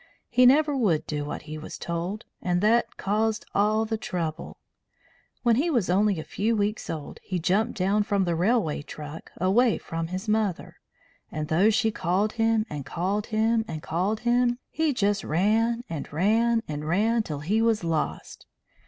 He never would do what he was told, and that caused all the trouble. When he was only a few weeks old he jumped down from the railway truck, away from his mother; and though she called him and called him and called him, he just ran and ran and ran till he was lost.